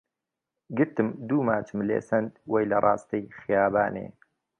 گرتم دوو ماچم لێ سەند وەی لە ڕاستەی خیابانێ